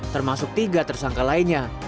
termasuk tiga tersangka lainnya